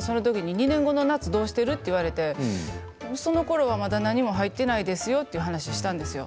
そのときに２年後の夏どうしている？と言われてそのころはまだ何も入っていないですよという話をしたんですよ。